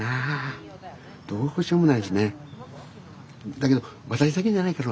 だけど私だけじゃないから。